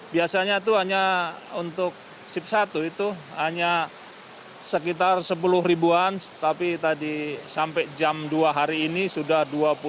biasanya itu hanya untuk sip satu itu hanya sekitar sepuluh ribuan tapi tadi sampai jam dua hari ini sudah dua puluh